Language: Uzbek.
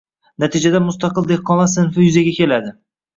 Natijada mustaqil dehqonlar sinfi yuzaga keldi